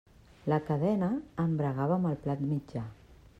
La cadena embragava amb el plat mitjà.